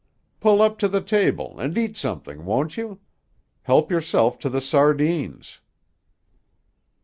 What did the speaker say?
Pull up to the table and eat something, won't you? Help yourself to the sardines."